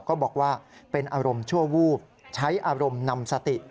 ก็บอกว่าเป็นอารมณ์ชั่ววูบใช้อารมณ์นำสติ